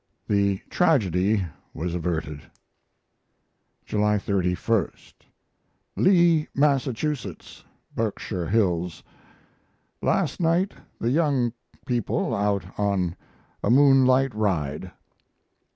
The tragedy was averted. July 31. LEE, MASSACHUSETTS (BERKSHIRE HILLS). Last night the young people out on a moonlight ride.